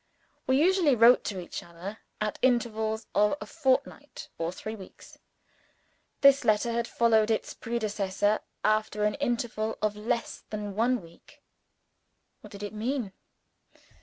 We usually wrote to each other at intervals of a fortnight or three weeks. This letter had followed its predecessor after an interval of less than one week. What did it mean?